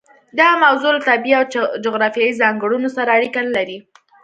دا موضوع له طبیعي او جغرافیوي ځانګړنو سره اړیکه نه لري.